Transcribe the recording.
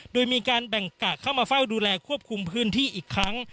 โดยมีการแบ่งกะเข้ามาเฝ้าดูแลควบคุมพื้นที่อีกครั้ง